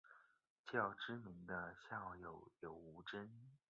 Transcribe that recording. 较知名的校友有吴峥。